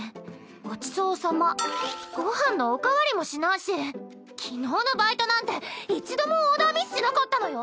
ごちそうさまご飯のおかわりもしないし昨日のバイトなんて一度もオーダーミスしなかったのよ。